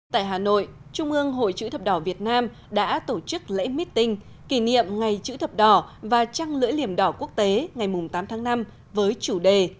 tại hà nội trung ương hội chữ thập đỏ việt nam đã tổ chức lễ meeting kỷ niệm ngày chữ thập đỏ và trăng lưỡi liềm đỏ quốc tế ngày tám tháng năm với chủ đề